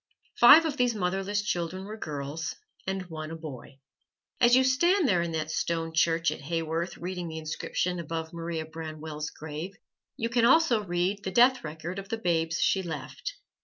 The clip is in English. Five of these motherless children were girls and one a boy. As you stand there in that stone church at Haworth reading the inscription above Maria Branwell's grave, you can also read the death record of the babes she left.